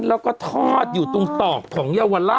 แล้วก็ทอดอยู่ตรงตอกของ